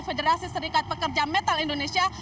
federasi serikat pekerja metal indonesia